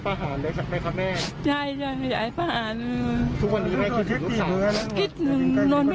อร่อยไม่ได้บ้าง